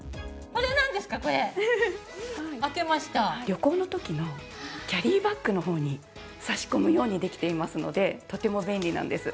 旅行の時のキャリーバッグのほうに差し込むようにできていますのでとても便利なんです。